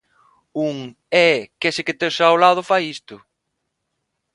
Un Eh, que ese que tes ao lado fai isto!